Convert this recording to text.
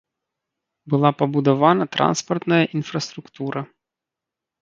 Была пабудаваная транспартная інфраструктура.